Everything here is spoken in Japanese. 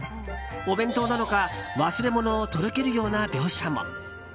お弁当なのか忘れ物を届けるような描写も。